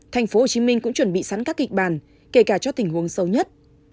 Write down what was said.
thành phố hồ chí minh cũng chuẩn bị sẵn các kịch bàn kể cả cho tình huống sâu nhất